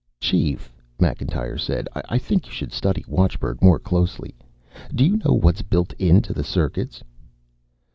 "Chief," Macintyre said, "I think you should study watchbird more closely. Do you know what's built into the circuits?"